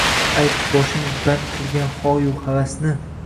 Ayt, boshing band qilgan hoyu havasni